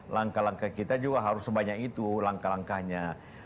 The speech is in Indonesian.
langkah langkah kita juga harus sebanyak itu langkah langkahnya